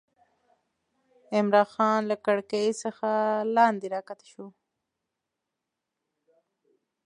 عمرا خان له کړکۍ څخه لاندې راکښته شو.